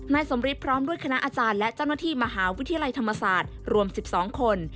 นายสมฤทธิพร้อมด้วยคณะอาจารย์และเจ้าหน้าที่มหาวิทยาลัยธรรมศาสตร์รวม๑๒คน